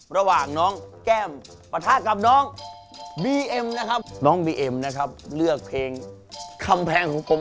ระหว่างน้องแก้มปะทะกับน้องบีเอ็ม